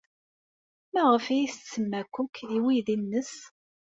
Maɣef ay as-tsemma Cook i uydi-nnes?